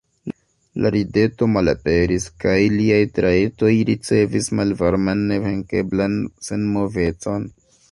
La rideto malaperis, kaj liaj trajtoj ricevis malvarman, nevenkeblan senmovecon.